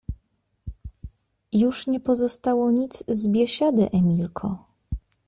— Już nie pozostało nic z biesiady, Emilko.